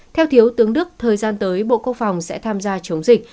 theo thiếu tướng đức thời gian tới bộ quốc phòng sẽ tham gia chống dịch